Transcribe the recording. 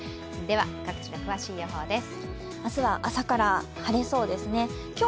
各地の詳しい予報です。